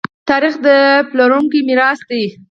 تاریخ د پلارونکو میراث دی.